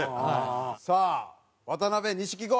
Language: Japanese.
さあ渡辺錦鯉。